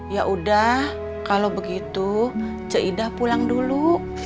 yaudah kalau begitu cek ida pulang dulu